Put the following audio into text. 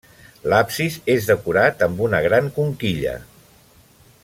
L'absis és decorat amb una gran conquilla.